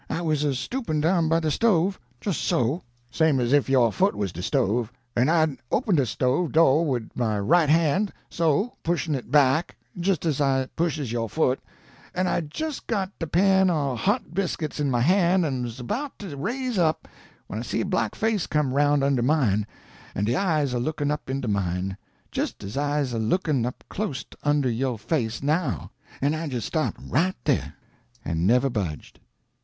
I was a stoopin' down by de stove jist so, same as if yo' foot was de stove an' I'd opened de stove do' wid my right han' so, pushin' it back, jist as I pushes yo' foot an' I'd jist got de pan o' hot biscuits in my han' an' was 'bout to raise up, when I see a black face come aroun' under mine, an' de eyes a lookin' up into mine, jist as I's a lookin' up clost under yo' face now; an' I jist stopped RIGHT dah, an' never budged!